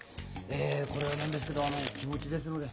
えこれはなんですけどあの気持ちですので。